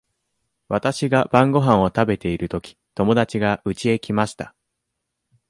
わたしが晩ごはんを食べているとき、友だちがうちへ来ました。